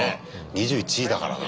２１位だからな。